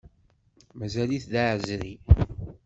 Mazal-it d aɛezri.